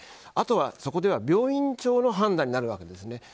あとは病院長の判断になるわけですね。